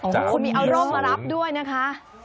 คุณมีเอาร่มมารับด้วยนะคะ